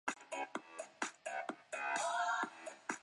这种搜索算法每一次比较都使搜索范围缩小一半。